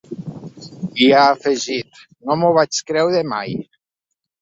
I ha afegit: No m’ho vaig creure mai.